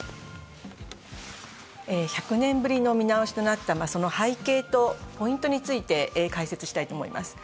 １００年ぶりの見直しとなった背景とポイントについて解説したいと思います。